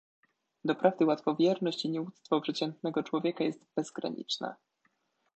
"Doprawdy łatwowierność i nieuctwo przeciętnego człowieka jest bezgraniczne."